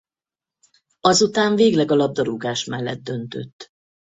Azután végleg a labdarúgás mellett döntött.